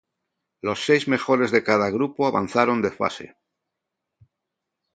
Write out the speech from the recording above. Los seis mejores de cada grupo avanzaron de fase.